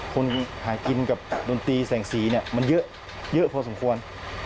คนหากินกับดนตรีแสงสีเนี่ยมันเยอะพอสมควร